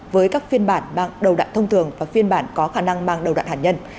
với các phiên bản đầu đạn thông thường và phiên bản có khả năng mang đầu đạn hạt nhân